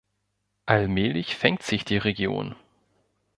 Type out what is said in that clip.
Allmählich fängt sich die Region.